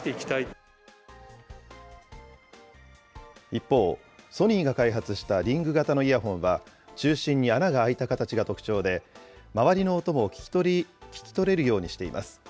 一方、ソニーが開発したリング型のイヤホンは、中心に穴が空いた形が特徴で、周りの音も聞き取れるようにしています。